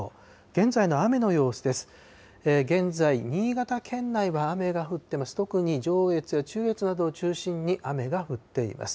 現在、新潟県内は雨が降ってます、